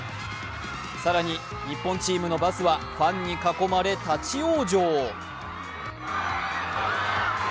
更に、日本チームのバスはファンに囲まれ立往生。